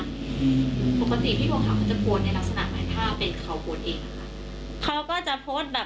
ปกติพี่บัวเขาจะโบนในลักษณะไหนถ้าเป็นเขาโบนเองนะคะ